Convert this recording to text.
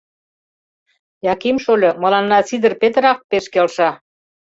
— Яким шольо, мыланна Сидыр Петрак пеш келша.